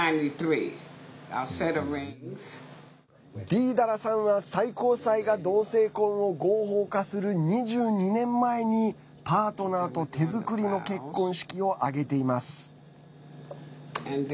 ディーダラさんは、最高裁が同性婚を合法化する２２年前にパートナーと手作りの結婚式を挙げています。